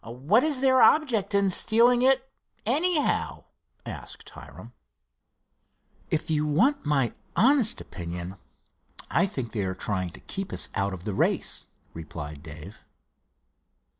"What is their object in stealing it, anyhow?" asked Hiram. "If you want my honest opinion, I think they are trying to keep us out of the race," replied Dave.